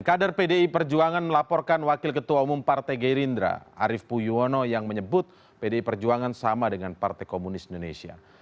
kader pdi perjuangan melaporkan wakil ketua umum partai gerindra arief puyono yang menyebut pdi perjuangan sama dengan partai komunis indonesia